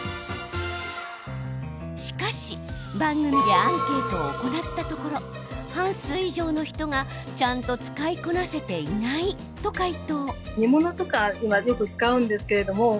しかし、番組でアンケートを行ったところ半数以上の人がちゃんと使いこなせていないと回答。